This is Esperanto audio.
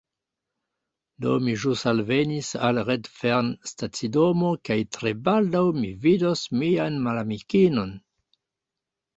Do, mi ĵus alvenis al Redfern stacidomo kaj tre baldaŭ mi vidos mian malamikinon